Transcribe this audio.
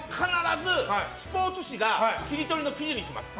スポーツ紙が切り取りの記事にします。